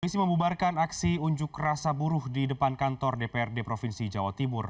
misi membubarkan aksi unjuk rasa buruh di depan kantor dprd provinsi jawa timur